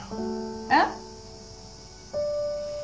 えっ？